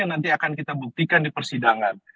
yang nanti akan kita buktikan di persidangan